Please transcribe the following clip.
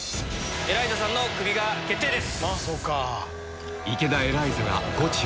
エライザさんのクビが決定です。